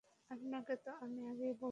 আপনাকে তো আমি আগেই বলছি।